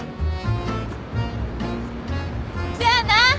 じゃあな。